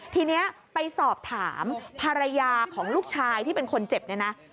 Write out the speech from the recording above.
ทีนี้ไปสอบถามภรรยาของลูกชายที่เป็นคนเจ็บเนี่ยนะ